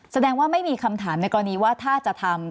แสดงว่าไม่มีคำถามในกรณีว่าถ้าจะทำ